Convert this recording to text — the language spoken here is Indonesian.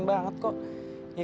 saya juga tidak ingin